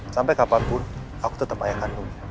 sampai kapanpun aku tetap ayah kandung